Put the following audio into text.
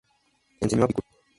Enseñó apicultura.